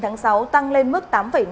nắng nóng tăng lên mức tám năm